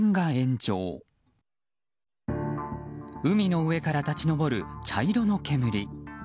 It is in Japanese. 海の上から立ち上る茶色の煙。